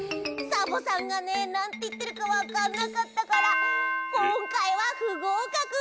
サボさんがねなんていってるかわかんなかったからこんかいはふごうかく！